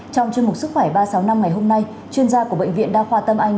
trong chương mục sức khỏe ba trăm sáu mươi năm ngày hôm nay chuyên gia của bệnh viện đa khoa tâm anh